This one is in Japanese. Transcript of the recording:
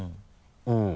うん。